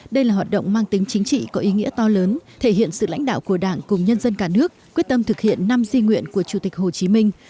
đây là hoạt động mang tính chính trị có ý nghĩa to lớn thể hiện sự lãnh đạo của đảng cùng nhân dân cả nước quyết tâm thực hiện năm di nguyện của chủ tịch hồ chí minh